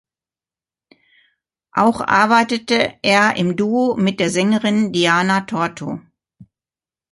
Auch arbeitete er im Duo mit der Sängerin Diana Torto.